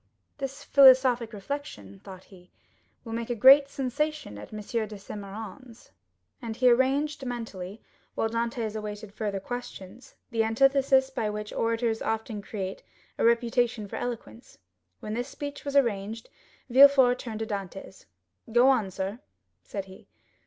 "This philosophic reflection," thought he, "will make a great sensation at M. de Saint Méran's;" and he arranged mentally, while Dantès awaited further questions, the antithesis by which orators often create a reputation for eloquence. When this speech was arranged, Villefort turned to Dantès. 0099m "Go on, sir," said he.